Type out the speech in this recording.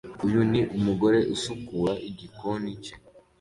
Uyu ni umugore usukura igikoni cye